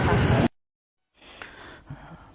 ตอนนี้ครับ